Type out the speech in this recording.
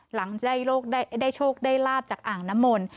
หลังจะได้โลกได้โชคได้ลาดจากอ่างนมนต์